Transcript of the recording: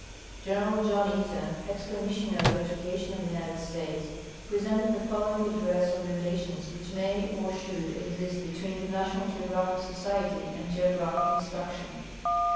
General John Eaton, ex Commissioner of Education of the United States, presented the following address on the relations which may or should exist between The National Geographic Society and geographic instruction.